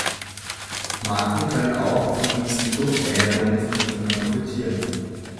Marken können auch von diesen „Duft-Erinnerung“-Verknüpfungen profitieren.